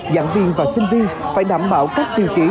giảng viên và sinh viên đều có thể tìm hiểu về các trường học trực tiếp